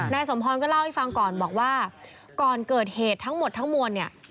สมพรก็เล่าให้ฟังก่อนบอกว่าก่อนเกิดเหตุทั้งหมดทั้งมวลเนี่ย